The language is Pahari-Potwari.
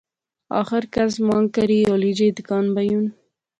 آخر قرض مانگ کری ہولی جئی دکان بائیوں